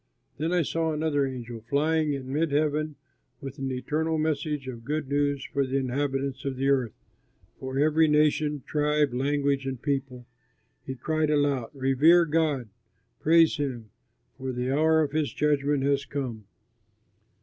Then I saw another angel flying in mid heaven with an eternal message of good news for the inhabitants of the earth, for every nation, tribe, language, and people. He cried aloud, "Revere God, praise him, for the hour of his judgment has come.